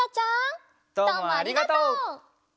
どうもありがとう！